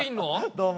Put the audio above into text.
どうも。